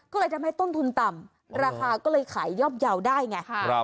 ก็เลยทำให้ต้นทุนต่ำราคาก็เลยขายยอบเยาว์ได้ไง